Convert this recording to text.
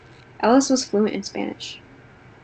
Ellis was fluent in Spanish.